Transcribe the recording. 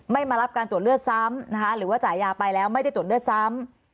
มารับการตรวจเลือดซ้ำนะคะหรือว่าจ่ายยาไปแล้วไม่ได้ตรวจเลือดซ้ำ